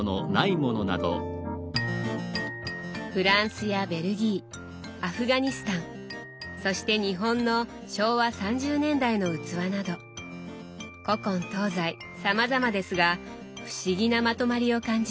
フランスやベルギーアフガニスタンそして日本の昭和３０年代の器など古今東西さまざまですが不思議なまとまりを感じます。